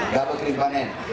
gabah kering panen